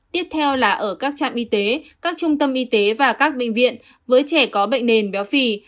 tiếp theo là ở các trạm y tế các trung tâm y tế và các bệnh viện với trẻ có bệnh nền béo phì